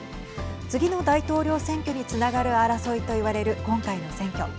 次の大統領選挙につながる争いといわれる今回の選挙。